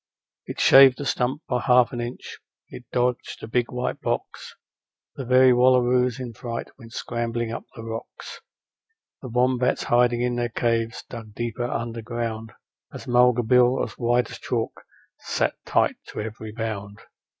It shaved a stump by half an inch, it dodged a big white box: The very wallaroos in fright went scrambling up the rocks, The wombats hiding in their caves dug deeper underground, As Mulga Bill, as white as chalk, sat tight to every bound.